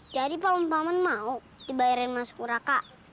jadi paman paman mau dibayarin mas kura kak